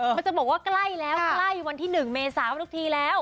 มันจะบอกว่าใกล้แล้วใกล้วันที่๑เมษาทุกทีแล้ว